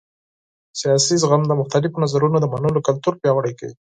سیاسي زغم د مختلفو نظرونو د منلو کلتور پیاوړی کوي